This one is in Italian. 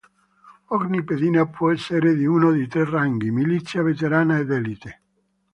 Ogni pedina può essere di uno di tre ranghi: milizia, veterana ed élite.